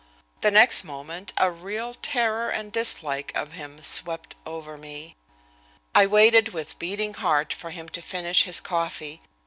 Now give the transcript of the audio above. The next moment a real terror and dislike of him swept over me. I waited with beating heart for him to finish his coffee.